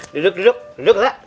duduk duduk duduk nek